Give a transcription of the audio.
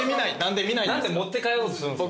何で持って帰ろうとするんですか。